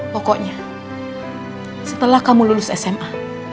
pokoknya setelah kamu lulus sma